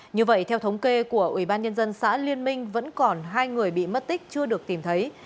như vậy theo thống kê của ubnd xã liên minh vẫn còn hai người bị mất tích chưa được tìm thấy